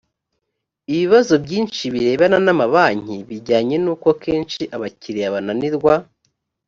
ibibazo byinshi birebana n amabanki bijyanye n uko kenshi abakiriya bananirwa